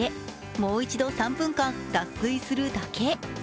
もう１度３分間脱水するだけ。